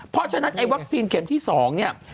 เพราะฉะนั้นไอ้วัคซีนเข็มที่๒เนี่ย